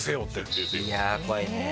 いや怖いね。